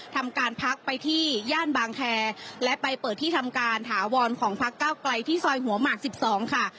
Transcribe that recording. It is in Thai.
ทำการพักไปที่ย่านบางแคร์และไปเปิดที่ทำการถาวรของพักเก้าไกลที่ซอยหัวหมาก๑๒ค่ะ